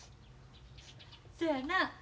そやな。